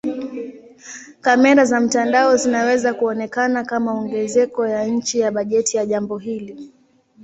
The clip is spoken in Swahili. Kamera za mtandao zinaweza kuonekana kama ongezeko ya chini ya bajeti ya jambo hili.